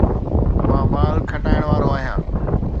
مان بال کٽائڻ وارو آهيان